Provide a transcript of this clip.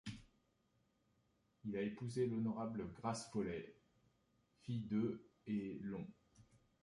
Il a épousé L'honorable Grace Foley, fille de et L'hon.